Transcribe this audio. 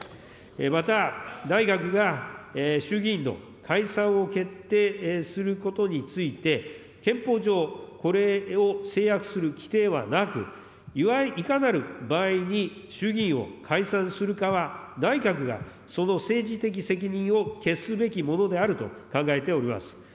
また、内閣が衆議院の解散を決定することについて、憲法上、これを制約する規定はなく、いかなる場合に衆議院を解散するかは、内閣がその政治的責任を決すべきものであると考えております。